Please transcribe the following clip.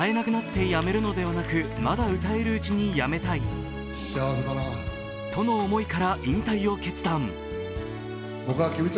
歌えなくなってやめるのではなく、まだ歌えるうちにやめたいとの思いから引退を決断。